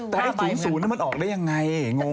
แต่ไอ้๐๐มันออกได้ยังไงงง